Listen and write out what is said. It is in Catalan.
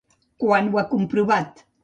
Quan ho ha comprovat?